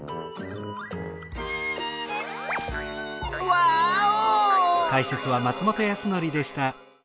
ワーオ！